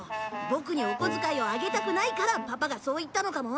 ボクにお小遣いをあげたくないからパパがそう言ったのかも。